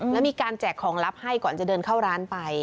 แล้วมีการแจกของลับให้ก่อนจะเดินเข้าร้านไป